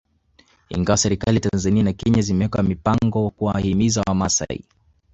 Ingawa serikali za Tanzania na Kenya zimeweka mipango kuwahimiza Wamasai